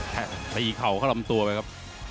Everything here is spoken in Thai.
ตีเข่าเข้าลำตัวไปครับ